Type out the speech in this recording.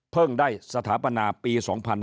ได้สถาปนาปี๒๕๕๙